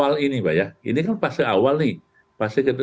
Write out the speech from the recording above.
pada awal ini pak ya ini kan pasca awal nih